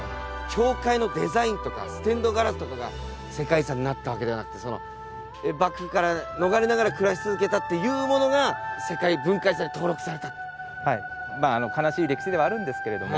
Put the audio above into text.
教会のデザインとかステンドグラスとかが世界遺産になったわけではなくて幕府から逃れながら暮らし続けたっていうものが世界文化遺産に登録された。